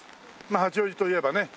八王子といえばね